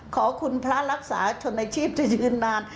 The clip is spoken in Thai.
ขอบคุณพระลักษะชนชีพตายืนนาน